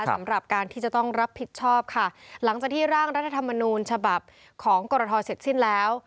สำหรับการที่จะต้องรับผิดชอบค่ะหลังจากที่ร่างรัฐธรรมนูญฉบับของกรทเสร็จสิ้นแล้ว